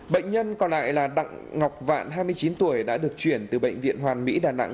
bệnh nhân còn lại là đặng ngọc vạn hai mươi chín tuổi đã được chuyển từ bệnh viện hoàn mỹ đà nẵng